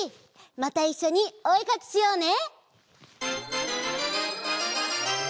またいっしょにおえかきしようね！